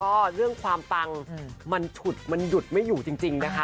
ก็เรื่องความปังมันฉุดมันหยุดไม่อยู่จริงนะคะ